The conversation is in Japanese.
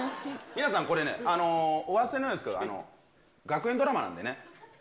皆さん、これね、お忘れのようですけど、学園ドラマなんでね。